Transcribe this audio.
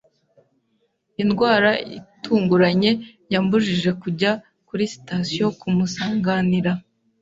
Indwara itunguranye yambujije kujya kuri sitasiyo kumusanganira.